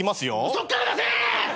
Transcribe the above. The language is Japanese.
そっから出せ！